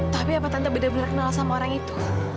tapi apa tante bener bener kenal sama orang itu